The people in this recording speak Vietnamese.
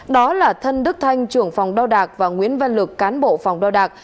đó là thân đức thanh trưởng phòng đao đạc và nguyễn văn lực cán bộ phòng đao đạc